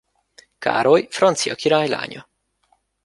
Károly francia király lánya.